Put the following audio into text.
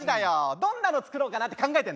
どんなの作ろうかなって考えてんの？